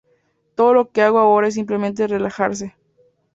Todo lo que hago ahora es simplemente relajarse.